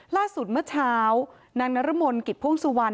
ล่าสุดเมื่อเช้านางนรมนกิจพ่วงสุวรรณ